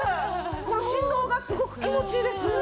この振動がすごく気持ちいいです。